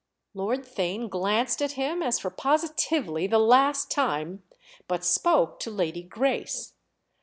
Lord Theign glanced at him as for positively the last time, but spoke to Lady Grace.